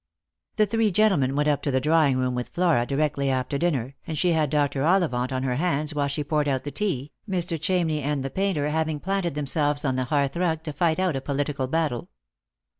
The three gentlemen went up to the drawing room with Flora directly after dinner, and she had Dr. Ollivant on her hands while she poured out the tea, Mr. Chamney and the painter having planted themselves on the hearth rug to fight out a political battle.